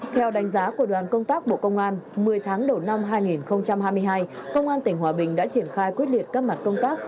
theo đánh giá của đoàn công tác bộ công an một mươi tháng đầu năm hai nghìn hai mươi hai công an tỉnh hòa bình đã triển khai quyết liệt các mặt công tác